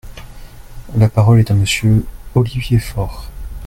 La parole est à Monsieur Olivier Faure.